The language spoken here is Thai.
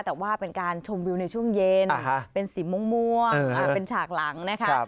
แต่ว่าเป็นการชมวิวในช่วงเย็นเป็นสีม่วงเป็นฉากหลังนะคะ